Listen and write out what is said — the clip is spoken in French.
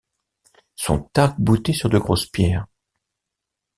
sont arc-boutés sur de grosses pierres.